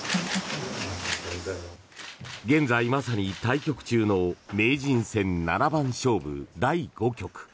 現在まさに対局中の名人戦七番勝負第５局。